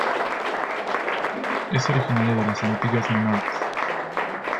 Es originaria de las Antillas Menores.